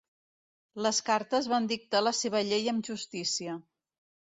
Les cartes van dictar la seva llei amb justícia.